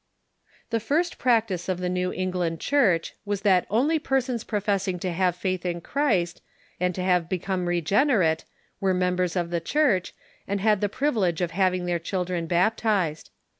The first practice of the New England Church was that only persons professing to have faith in Christ, and to have become regenerate, were members of the Church, The Half way ^^^^^^^^ ^^^q privilege of having their children bap tized.